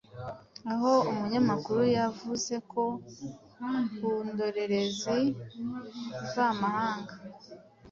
aho umunyamakuru yavuze ko, ku ndorerezi mvamahanga,